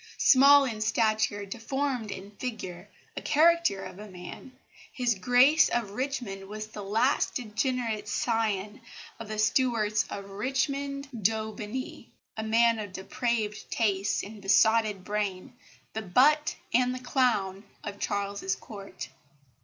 Small in stature, deformed in figure a caricature of a man, His Grace of Richmond was the last degenerate scion of the Stuarts of Richmond d'Aubigny, a man of depraved tastes and besotted brain, the butt and the clown of Charles's Court.